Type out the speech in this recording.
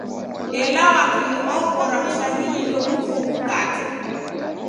Ela wakili oghora w'ushahidi ndoghuko ghukate.